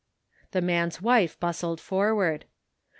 The man's wife bustled forward.